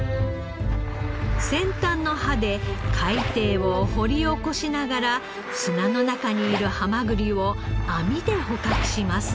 先端の歯で海底を掘り起こしながら砂の中にいるハマグリを網で捕獲します。